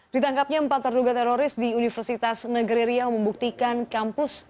ditangkapnya empat terduga teroris di universitas negeri riau membuktikan kampus